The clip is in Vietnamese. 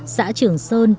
xã trường sơn